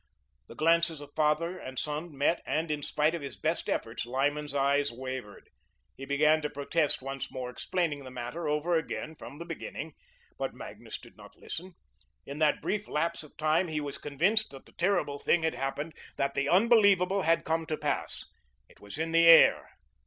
The glances of father and son met, and, in spite of his best efforts, Lyman's eyes wavered. He began to protest once more, explaining the matter over again from the beginning. But Magnus did not listen. In that brief lapse of time he was convinced that the terrible thing had happened, that the unbelievable had come to pass. It was in the air.